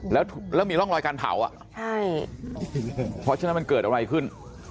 แล้วมีร่องรอยการเผาอ่ะใช่เพราะฉะนั้นมันเกิดอะไรขึ้น